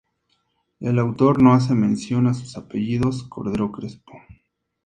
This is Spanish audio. El autor no hace mención a sus apellidos, Cordero Crespo.